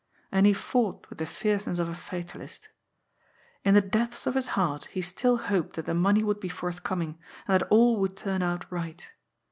And he fought with the fierceness of a fatalist. In the depths of his heart he still hoped that the money would be forthcoming, and that all would turn out right.